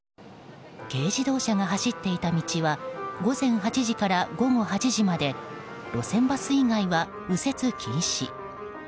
軽自動車が走っていた道は午前８時から午後８時まで路線バス以外は右折禁止。